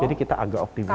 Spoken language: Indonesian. jadi kita agak optimis